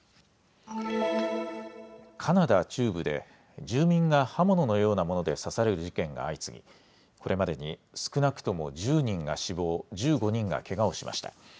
カナダ中部で住民が刃物のようなもので刺される事件が相次ぎ、これまでに少なくとも１０人が死亡、１５人がけがをしました。